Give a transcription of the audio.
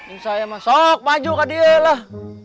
ini saya mah sok maju ke dia lah